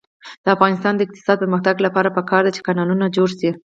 د افغانستان د اقتصادي پرمختګ لپاره پکار ده چې کانالونه جوړ شي.